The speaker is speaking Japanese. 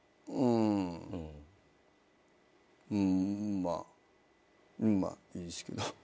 まあうんまあいいですけど。